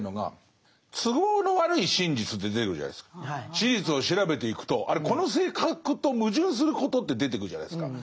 史実を調べていくとこの性格と矛盾することって出てくるじゃないですか。